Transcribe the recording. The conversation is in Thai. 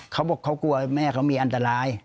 เขากลัวว่าแม่เขามีอันตราย